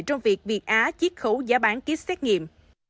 trong việc việt á chiếc khấu giá bán kýt xét nghiệm